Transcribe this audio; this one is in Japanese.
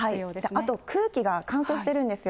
あと空気が乾燥しているんですよ。